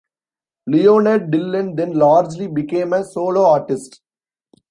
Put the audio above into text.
Leonard Dillon then largely became a solo artist.